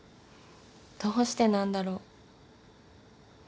どうしてなんだろう。